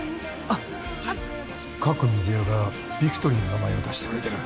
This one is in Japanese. あはい各メディアがビクトリーの名前を出してくれてる